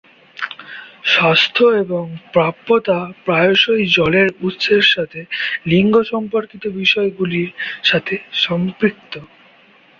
স্বাস্থ্য এবং প্রাপ্যতা প্রায়শই জলের উৎসের সাথে লিঙ্গ সম্পর্কিত বিষয়গুলির সাথে সম্পৃক্ত।